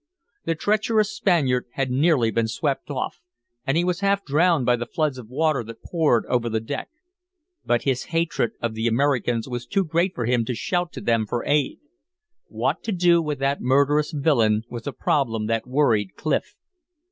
The treacherous Spaniard had nearly been swept off, and he was half drowned by the floods of water that poured over the deck. But his hatred of the Americans was too great for him to shout to them for aid. What to do with that murderous villain was a problem that worried Clif.